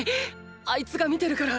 あいつが見てるから。